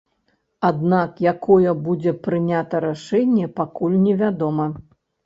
Аднак якое будзе прынята рашэнне, пакуль не вядома.